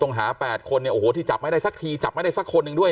ตรงหาแปดคนเนี่ยโอ้หูที่จับไม่ได้ซักทีจับไม่ได้สักคนด้วย